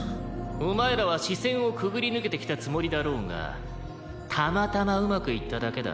「お前らは死線をくぐり抜けてきたつもりだろうがたまたまうまくいっただけだ」